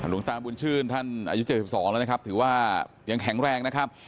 หลวงตาบุญชื่นท่านอายุ๗๒แล้วนะครับถือว่ายังแข็งแรงนะครับ